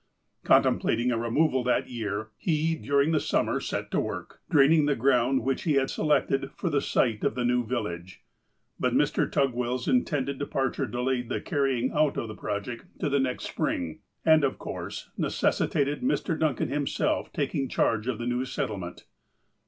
Con templating a removal that year, he, during the summer, set to work, draining the ground which he had selected for the site of the new village, but Mr. Tugwell's intended departure delayed the carrying out of the project to the next spring, and of course necessitated Mr. Duncan him self taking charge of the new settlement.